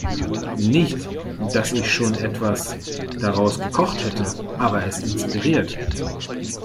Nicht, dass ich schon etwas daraus gekocht hätte, aber es inspiriert.